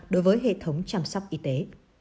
đối với hệ thống chăm sóc y tế